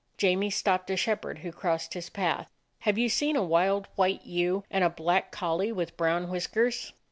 J amie stopped a shepherd who crossed his path. "Have you seen a wild white ewe and a black collie with brown whiskers?"